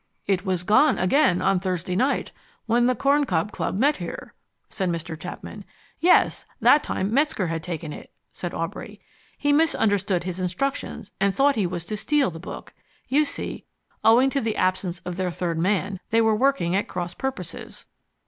"It was gone again on Thursday night, when the Corn Cob Club met here," said Mr. Chapman. "Yes, that time Metzger had taken it," said Aubrey. "He misunderstood his instructions, and thought he was to steal the book. You see, owing to the absence of their third man, they were working at cross purposes.